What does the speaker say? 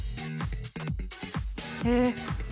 えっ。